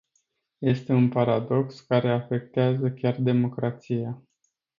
Este un paradox care afectează chiar democrația.